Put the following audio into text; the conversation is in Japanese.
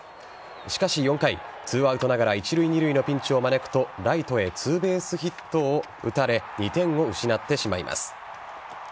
しかし４回、２アウトながら一塁・二塁のピンチを招くとライトへツーベースヒットを打たれ２点を失ってしまいます。